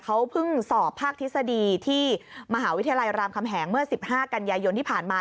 เขาเพิ่งสอบภาคทฤษฎีที่มหาวิทยาลัยรามคำแหงเมื่อ๑๕กันยายนที่ผ่านมา